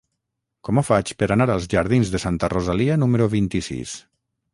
Com ho faig per anar als jardins de Santa Rosalia número vint-i-sis?